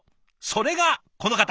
それがこの方。